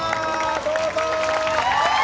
どうぞ！